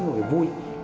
nó phải vui